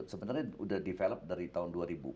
sebenarnya sudah develop dari tahun dua ribu